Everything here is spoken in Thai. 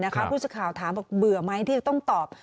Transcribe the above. ผู้สื่อข่าวถามบอกเบื่อไหมที่จะต้องตอบ